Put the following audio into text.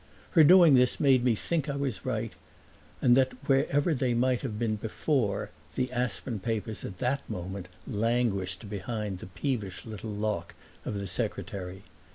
Her doing this made me think I was right and that wherever they might have been before the Aspern papers at that moment languished behind the peevish little lock of the secretary.